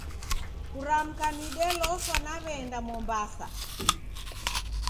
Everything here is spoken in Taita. Kuramka nideloswa naw'aenda Mwambasa.